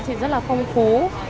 thì rất là phong phú